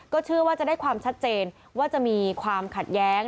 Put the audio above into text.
เชื่อว่าจะได้ความชัดเจนว่าจะมีความขัดแย้ง